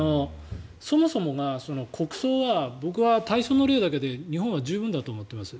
そもそもが国葬は僕は大喪の礼だけで日本は十分だと思っています。